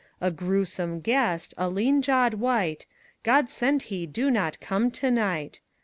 A grewsome guest, a lean jawed wight God send he do not come to night!